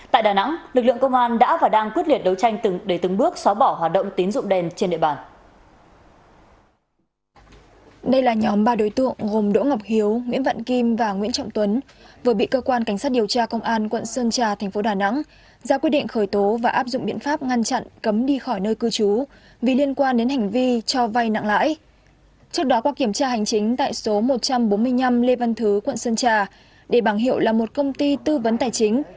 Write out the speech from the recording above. tại đà nẵng lực lượng công an đã và đang quyết liệt đấu tranh để từng bước xóa bỏ hoạt động tín dụng đèn trên địa bàn